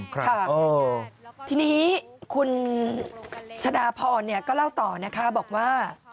ค่ะทีนี้คุณชะดาพรก็เล่าต่อนะคะบอกว่า